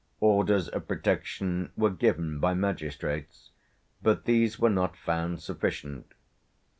Orders of protection were given by magistrates, but these were not found sufficient.